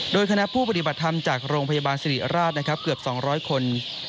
โดยคณะผู้ปฏิบัติธรรมจากโรงพยาบาลสิริราชนะครับเกือบ๒๐๐คน